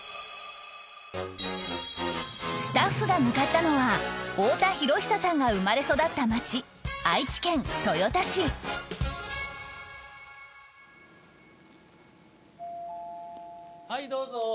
スタッフが向かったのは太田博久さんが生まれ育った町はいどうぞ！